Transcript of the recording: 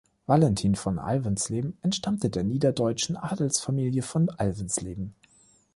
Valentin von Alvensleben entstammte der niederdeutschen Adelsfamilie von Alvensleben.